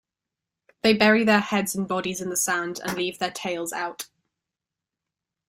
They bury their heads and bodies in the sand and leave their tails out.